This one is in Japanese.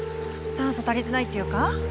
酸素足りてないっていうか。